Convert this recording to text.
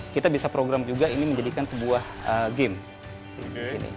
kita bisa program juga ini menjadikan sebuah game